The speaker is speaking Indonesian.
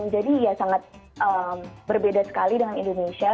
jadi ya sangat berbeda sekali dengan indonesia